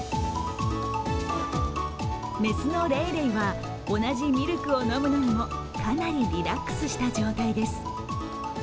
雌のレイレイは同じミルクを飲むのにもかなりリラックスした状態です。